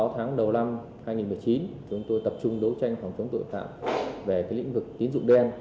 sáu tháng đầu năm hai nghìn một mươi chín chúng tôi tập trung đấu tranh phòng chống tội phạm về lĩnh vực tín dụng đen